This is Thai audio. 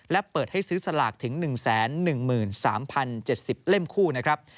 และเปิดให้ซื้อสลากถึง๑๑๓๐๗๐เล่มคู่นะครับ